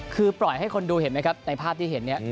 คือปล่อยให้คนดูเห็นไหมครับในภาพที่เห็นเนี่ย